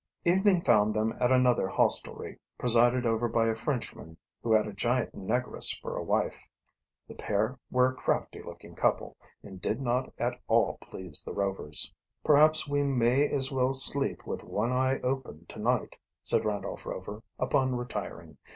Evening found them at another hostelry, presided over by a Frenchman who had a giant negress for a wife. The pair were a crafty looking couple, and did not at all please the Rovers. "Perhaps we may as well sleep with one eye open tonight," said Randolph Rover, upon retiring.